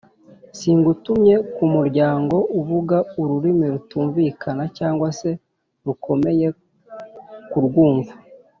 Singutumye ku muryango uvuga ururimi rutumvikana cyangwa se rukomeye kurwumva